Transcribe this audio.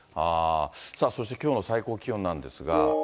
さあ、きょうの最高気温なんですが。